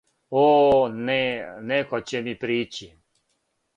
О, не, неко ће ми прићи!